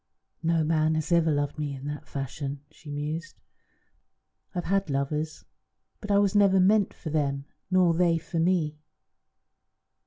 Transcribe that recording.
"No man has ever loved me in that fashion," she mused. "I've had lovers, but I was never meant for them nor they for me.